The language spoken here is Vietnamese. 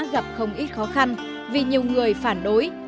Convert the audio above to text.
gặp không ít khó khăn vì nhiều người phản đối